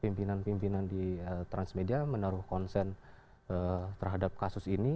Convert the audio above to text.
pimpinan pimpinan di transmedia menaruh konsen terhadap kasus ini